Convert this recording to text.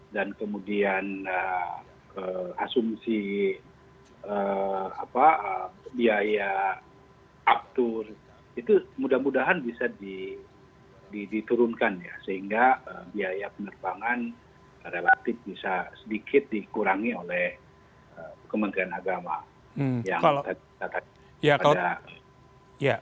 dan kemudian asumsi biaya uptour itu mudah mudahan bisa diturunkan sehingga biaya penerbangan relatif bisa sedikit dikurangi oleh kemengkalan agama